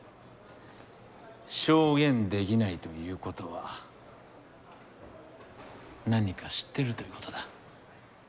証言できないということは何か知ってるということだ。